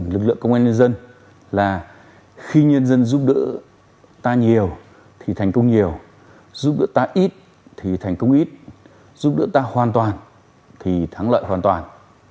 lực lượng công an nhân dân là khi nhân dân giúp đỡ ta nhiều thì thành công nhiều giúp đỡ ta ít thì thành công ít giúp đỡ ta hoàn toàn thì thắng lợi hoàn toàn